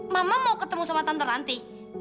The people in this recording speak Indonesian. mama mau ketemu sama tante ranti